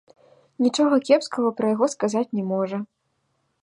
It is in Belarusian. Нічога кепскага пра яго сказаць не можа.